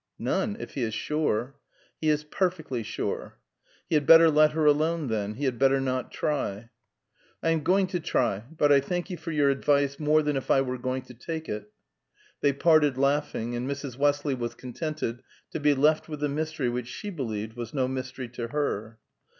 "None, if he is sure." "He is perfectly sure." "He had better let her alone, then. He had better not try." "I am going to try. But I thank you for your advice more than if I were going to take it." They parted laughing; and Mrs. Westley was contented to be left with the mystery which she believed was no mystery to her.